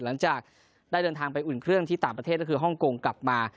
หลังจากได้เดินทางไปอุ่นเครื่องที่ต่างประเทศก็คือฮ่องกงกลับมา